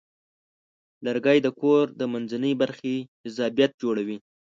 لرګی د کور د منځنۍ برخې جذابیت جوړوي.